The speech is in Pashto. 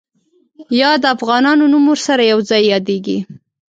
یا د افغانانو نوم ورسره یو ځای یادېږي.